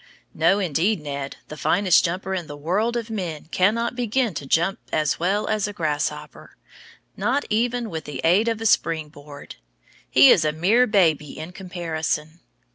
No, indeed, Ned, the finest jumper in the world of men cannot begin to jump as well as a grasshopper, not even with the aid of a spring board. He is a mere baby in comparison.